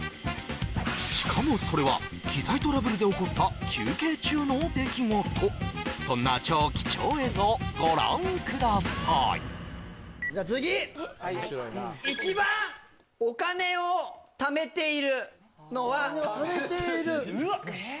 しかもそれは機材トラブルで起こった休憩中の出来事そんな超貴重映像をご覧くださいじゃ次一番お金を貯めているのはお金を貯めているええ